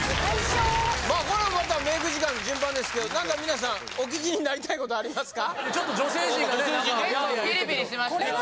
これはまたメイク時間順番ですけど何か皆さんお聞きになりたいことありますかちょっと女性陣がねピリピリしてましたよ